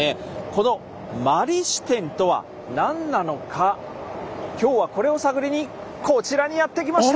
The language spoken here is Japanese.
この「摩利支天」とは何なのか今日はこれを探りにこちらにやって来ました！